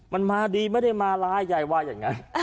มันมาดีไม่ได้มาร้ายยายว่าอย่างนั้น